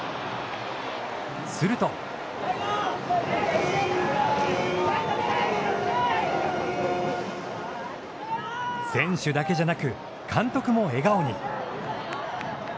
すると選手だけじゃなく監督も笑顔に。